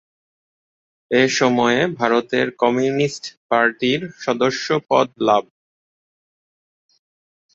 এ-সময়ে ভারতের কমিউনিস্ট পার্টির সদস্যপদ লাভ।